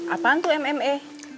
apaan tuh mme